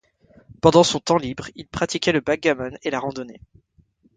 Pendant son temps libre, il pratiquait le backgammon et la randonnée.